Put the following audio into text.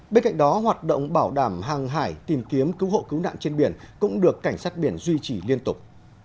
bên cạnh đó hoạt động bảo đảm hàng hải tìm kiếm cứu hộ cứu nạn trên biển cũng được cảnh sát biển duy trì liên tục